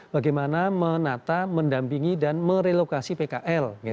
bagaimana menata mendampingi dan merelokasi pkl